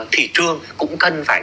thị trường cũng cần phải